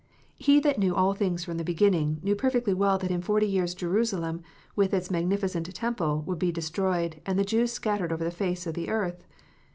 He that knew all things from the beginning, knew perfectly well that in forty years Jerusalem, with its magnificent temple, would be destroyed, and the Jews scattered over the face of the earth.